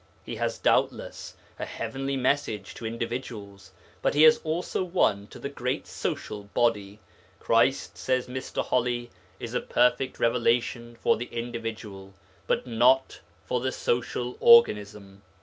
He has doubtless a heavenly message to individuals, but He has also one to the great social body. Christ, says Mr. Holley, is a perfect revelation for the individual, but not for the social organism.